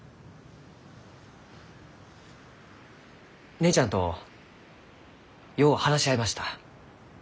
姉ちゃんとよう話し合いました。